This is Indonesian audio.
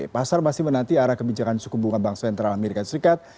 pasar masih menanti arah kebijakan suku bunga bangsa yang terang amerika serikat